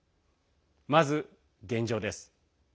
まず現状です。